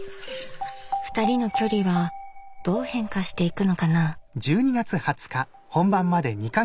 ふたりの距離はどう変化していくのかな。